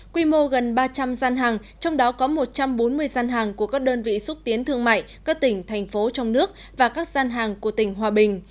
quy mô gần ba trăm linh gian hàng trong đó có một trăm bốn mươi gian hàng của các đơn vị xúc tiến thương mại các tỉnh thành phố trong nước và các gian hàng của tỉnh hòa bình